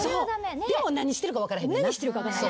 でも何してるか分からへん。